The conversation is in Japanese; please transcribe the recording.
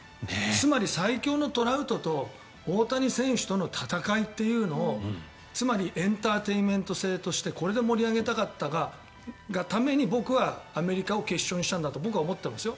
つまり、最強のトラウトと大谷選手との戦いというのをつまりエンターテインメント性としてこれで盛り上げたかったがために僕は、アメリカを決勝にしたんだと僕は思ってますよ。